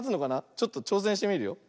ちょっとちょうせんしてみるよ。